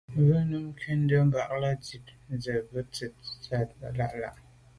Mvə̌ nǔm nɔ́də́ bā lâ' ndíp zə̄ bū bə̂ tɔ̌ zə̄ lá' lá.